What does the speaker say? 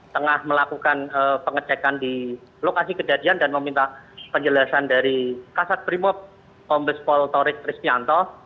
tengah melakukan pengecekan di lokasi kejadian dan meminta penjelasan dari kasat primop pombes pol torik riznyanto